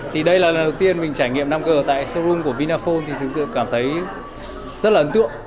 thì đây là lần đầu tiên mình trải nghiệm năm g tại showroom của vinaphone thì thực sự cảm thấy rất là ấn tượng